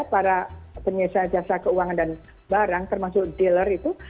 para penyeisa jasa keuangan dan barang termasuk dealer itu